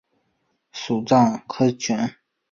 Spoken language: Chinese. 属牂牁郡。